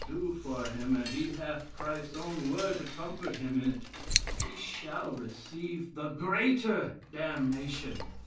do for him; and he hath Christ's own word to comfort him in't, 'He shall receive the greater damnation.'